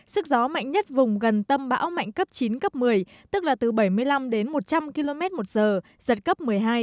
sức gió mạnh nhất vùng gần tâm bão mạnh cấp chín cấp một mươi tức là từ bảy mươi năm đến một trăm linh km một giờ giật cấp một mươi hai